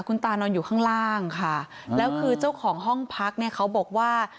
คุณตานอนอยู่ข้างล่างค่ะแล้วคือเจ้าของห้องพักเนี่ยเขาบอกว่า